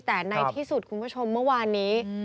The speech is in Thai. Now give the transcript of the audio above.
แต่ในที่สุดคุณผู้ชมเมื่อวานนี้